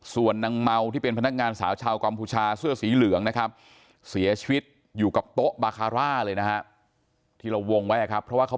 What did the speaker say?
ส่วนนางเมาที่เป็นพนักงานสาวชาวกัมพูชาเสื้อสีเหลืองนะครับ